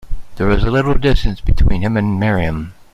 There was a little distance between him and Miriam.